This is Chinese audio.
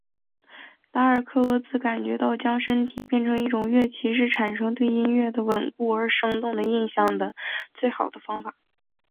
达尔克罗兹感觉到将身体变成一种乐器是产生对音乐的稳固而生动的印象的最好的方法。